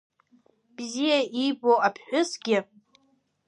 Бзиа иибо аԥҳәысгьы…